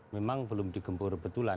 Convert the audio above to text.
memang belum di gempur betul